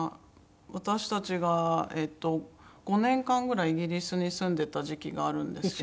私たちが５年間ぐらいイギリスに住んでた時期があるんですけど。